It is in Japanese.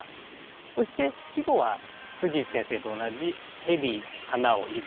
そして季語は内先生と同じ「蛇穴を出づ」。